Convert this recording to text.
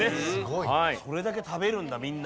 それだけ食べるんだみんな。